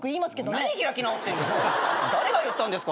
何開き直ってんですか！